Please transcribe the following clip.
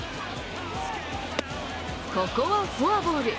ここはフォアボール